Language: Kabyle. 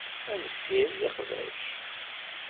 Ad nessired iqbac.